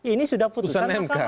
ini sudah putusan mk